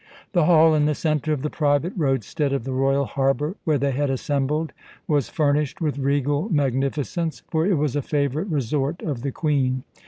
The hall in the centre of the private roadstead of the royal harbour, where they had assembled, was furnished with regal magnificence; for it was a favourite resort of the Queen.